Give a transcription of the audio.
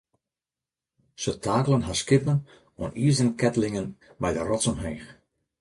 Se takelen har skippen oan izeren keatlingen by de rots omheech.